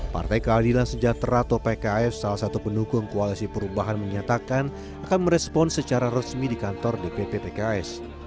partai keadilan sejahtera atau pks salah satu pendukung koalisi perubahan menyatakan akan merespon secara resmi di kantor dpp pks